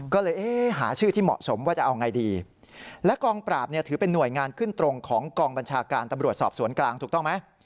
ก็เลยเอ๊ะหาชื่อที่เหมาะสมว่าจะเอาไงดีและกองปราบเนี่ยถือเป็นหน่วยงานขึ้นตรงของกองบัญชาการตำรวจสอบสวนกลางถูกต้องไหม